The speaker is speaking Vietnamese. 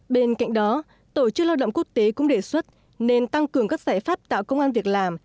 bên cạnh đó tổ chức lao động quốc tế cũng đề xuất nên tăng cường các giải pháp tạo công an việc làm